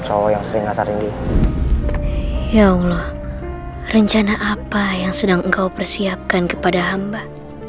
cowok yang sering ngasarin dia ya allah rencana apa yang sedang engkau persiapkan kepada hamba